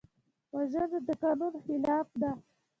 وژنه د قانون خلاف ده